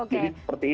jadi seperti itu